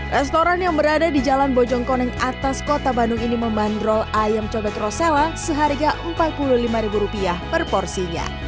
restoran yang berada di jalan bojongkoneng atas kota bandung ini membandrol ayam cobek rosela seharga rp empat puluh lima per porsinya